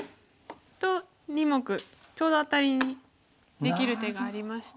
と２目ちょうどアタリにできる手がありまして。